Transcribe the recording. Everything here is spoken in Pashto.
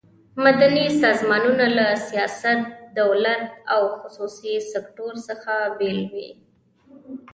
مدني سازمانونه له سیاست، دولت او خصوصي سکټور څخه بیل وي.